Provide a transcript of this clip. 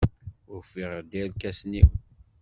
Ufiɣ-d irkasen-iw.